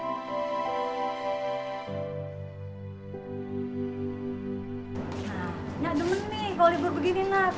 nah nyademen nih kalo libur begini nak